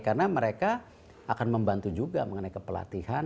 karena mereka akan membantu juga mengenai kepelatihan